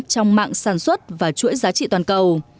trong mạng sản xuất và chuỗi giá trị toàn cầu